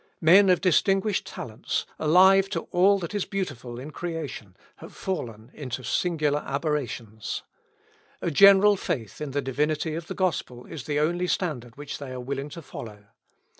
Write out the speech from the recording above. Men of distinguished talents, alive to all that is beautiful in creation, have fallen into singular aberrations. A general faith in the divinity of the Gospel is the only standard which they are willing to follow.